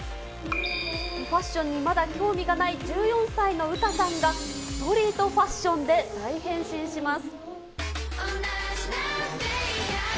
ファッションにまだ興味がない１４歳のウタさんが、ストリートファッションで大変身します。